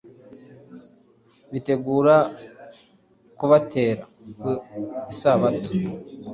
bitegura kubatera ku isabato